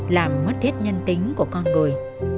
làm mất hết nhân tính của con người